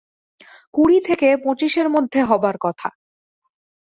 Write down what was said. কুড়ি থেকে পঁচিশের মধ্যে হবার কথা।